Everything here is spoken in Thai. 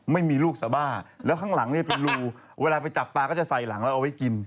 ไม่มีลูกสบ้าแล้วข้างหลังเนี่ยเป็นรูเวลาไปจับปลาก็จะใส่หลังแล้วเอาไว้กิน